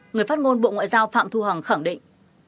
người phát ngôn bộ ngoại giao phạm thu hằng khẳng định